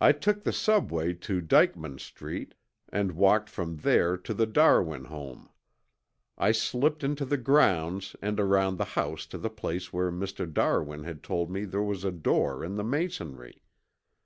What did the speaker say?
"I took the Subway to Dyckman Street and walked from there to the Darwin home. I slipped into the grounds and around the house to the place where Mr. Darwin had told me there was a door in the masonry.